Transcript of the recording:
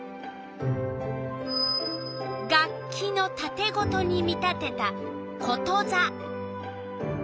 楽器のたてごとに見立てたことざ。